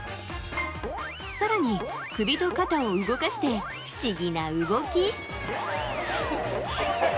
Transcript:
さらに首と肩を動かして不思議な動き。